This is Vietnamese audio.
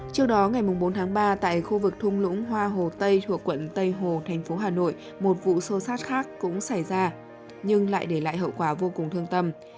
trước đó ngày bốn tháng ba tại khu vực thung lũng hoa hồ tây thuộc quận tây hồ thành phố hà nội một vụ xô xát khác cũng xảy ra nhưng lại để lại hậu quả vô cùng thương tâm